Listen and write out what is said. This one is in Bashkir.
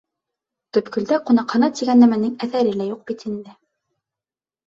Төпкөлдә ҡунаҡхана тигән нәмәнең әҫәре лә юҡ бит инде.